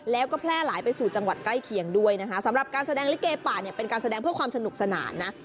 แล้วก็แพร่หลายไปสู่จังหวัดใกล้เคียงด้วยนะคะสำหรับการแสดงลิเกป่าเนี่ยเป็นการแสดงเพื่อความสนุกสนานนะ